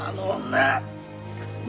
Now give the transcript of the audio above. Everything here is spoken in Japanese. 女？